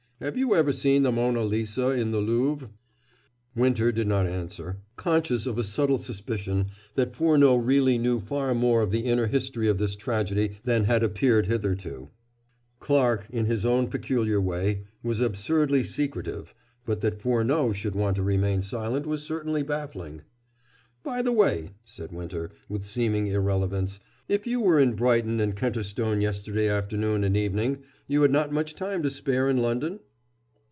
Have you ever seen the Monna Lisa in the Louvre?" Winter did not answer, conscious of a subtle suspicion that Furneaux really knew far more of the inner history of this tragedy than had appeared hitherto. Clarke, in his own peculiar way, was absurdly secretive, but that Furneaux should want to remain silent was certainly baffling. "By the way," said Winter with seeming irrelevance, "if you were in Brighton and Kenterstone yesterday afternoon and evening, you had not much time to spare in London?"